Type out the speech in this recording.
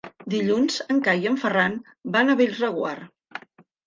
Dilluns en Cai i en Ferran van a Bellreguard.